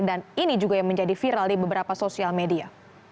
dan ini juga yang menjadi viral di beberapa sosial media